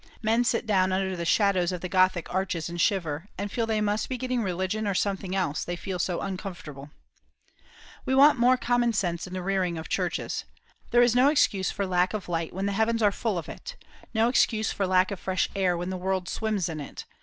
Men sit down under the shadows of the Gothic arches and shiver, and feel they must be getting religion, or something else, they feel so uncomfortable. We want more common sense in the rearing of churches. There is no excuse for lack of light when the heavens are full of it, no excuse for lack of fresh air when the world swims in it.